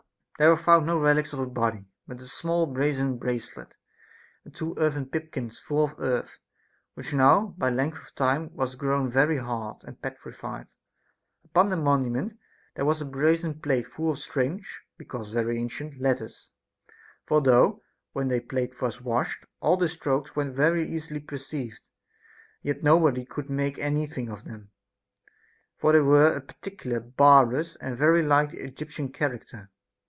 There were found no relics of a body ; but a small brazen brace let, and two earthen pipkins full of earth, which now by length of time was grown very hard and petrified. Upon the monument there was a brazen plate full of strange, because very ancient, letters ; for though, when the plate was washed, all the strokes were very easily perceived, yet nobody could make any thing of them ; for they were a particular, barbarous, and very like the Egyptian charac . ter.